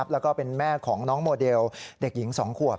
และเป็นแม่ของน้องโมเดลและเด็กหญิงสองขวบ